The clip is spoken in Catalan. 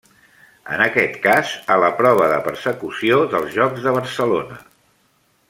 En aquest cas a la prova de Persecució dels Jocs de Barcelona.